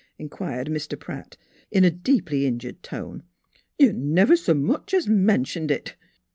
" inquired Mr. Pratt, in a deeply injured tone. " You never s' much 's mentioned it."